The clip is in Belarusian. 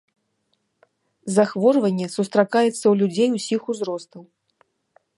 Захворванне сустракаецца ў людзей усіх узростаў.